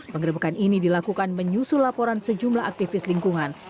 pengerebekan ini dilakukan menyusul laporan sejumlah aktivis lingkungan